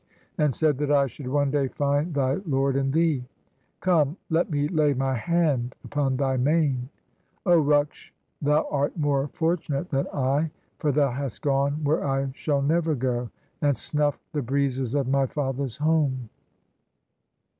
and said That I should one day find thy lord and thee. Come, let me lay my hand upon thy mane! O Ruksh, thou art more fortunate than I: For thou hast gone where I shall never go, And snuff 'd the breezes of my father's home.